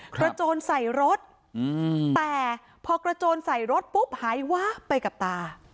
โจรใส่รถแต่พอกระโจนใส่รถปุ๊บหายวับไปกับตา